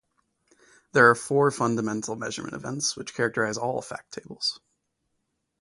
There are four fundamental measurement events, which characterize all fact tables.